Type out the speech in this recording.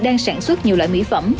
đang sản xuất nhiều loại mỹ phẩm